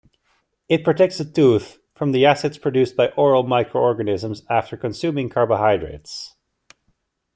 It protects the tooth from the acids produced by oral microorganisms after consuming carbohydrates.